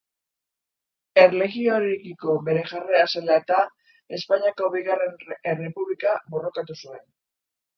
Erlijioarekiko bere jarrera zela eta, Espainiako Bigarren Errepublika borrokatu zuen.